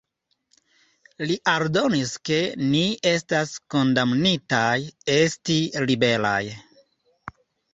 Li aldonis ke “ni estas kondamnitaj esti liberaj”.